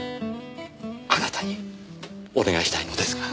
あなたにお願いしたいのですが。